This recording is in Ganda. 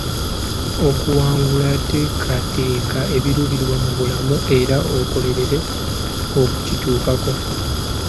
Okuwangula, teekateeka ekiruubirirwa mu bulamu era okolerere okukituukako.